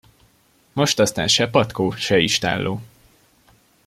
Most aztán se patkó, se istálló!